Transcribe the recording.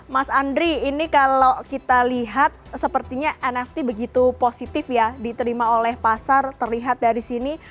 mas andri ini kalau kita lihat sepertinya nft begitu positif ya diterima oleh pasar terlihat dari sini